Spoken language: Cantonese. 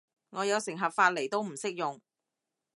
我有成盒髮泥都唔識用